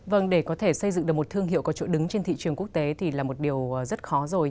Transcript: vâng để có thể xây dựng được một thương hiệu có chỗ đứng trên thị trường quốc tế thì là một điều rất khó rồi